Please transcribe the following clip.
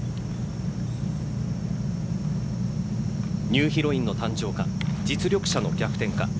ニューヒロインの誕生か実力者の逆転か。